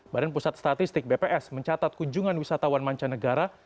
badan pusat statistik bps mencatat kunjungan wisatawan mancanegara